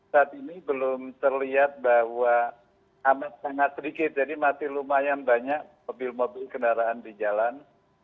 saat ini belum terlihat bahwa amat sangat sedikit jadi masih lumayan banyak mobil mobil kendaraan di jalan